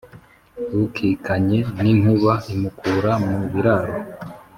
ukikanye n’inkuba imukura mu biraro.